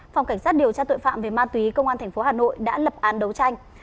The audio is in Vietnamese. phòng cảnh sát điều tra tội phạm về ma túy công an tp hà nội đã lập án đấu tranh